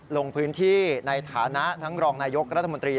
ลงพื้นที่ในฐานะทั้งรองนายกรัฐมนตรี